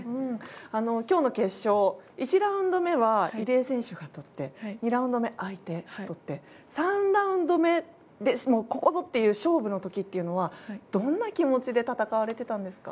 今日の決勝１ラウンド目は入江選手がとって２ラウンド目は相手がとって３ラウンド目でここぞという勝負の時というのはどんな気持ちで戦われていたんですか？